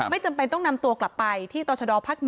ไม่จำเป็นต้องนำตัวกลับไปที่ตศ๑